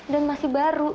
dan masih baru